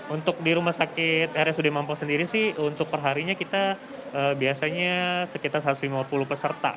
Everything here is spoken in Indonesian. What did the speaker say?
untuk di rumah sakit rsud mampo sendiri sih untuk perharinya kita biasanya sekitar satu ratus lima puluh peserta